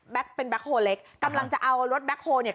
เป็นแบ็คโฮเล็กกำลังจะเอารถแบ็คโฮลเนี่ย